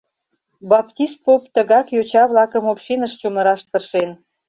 Баптист поп тыгак йоча-влакым общиныш чумыраш тыршен.